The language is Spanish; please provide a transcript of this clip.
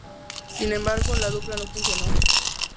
Sin embargo, la dupla no funcionó.